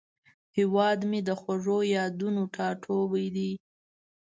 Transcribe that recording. هیواد مې د خوږو یادونو ټاټوبی دی